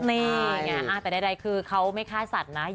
นี่ไงแต่ใดคือเขาไม่ฆ่าสัตว์นะ